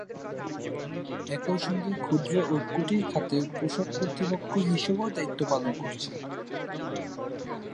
একই সঙ্গে ক্ষুদ্র ও কুটির খাতের পোষক কর্তৃপক্ষ হিসাবেও দায়িত্ব পালন করছে।